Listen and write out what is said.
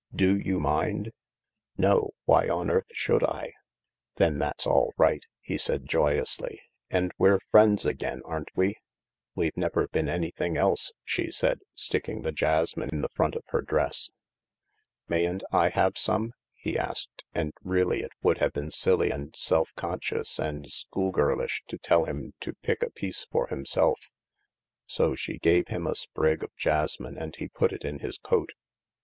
Do you mind ?"" No ; why on earth should I ?" "Then that's all right," he said joyously, "and we're friends again, aren't we ?"" We've never been anything else," she said, sticking the jasmine in the front of her dress. " Mayn't I have some ?" he asked, and really it would have been silly and self conscious and schoolgirlish to tell him to pick a piece for himself. So she gave him a sprig of jasmine and he put it in his coat.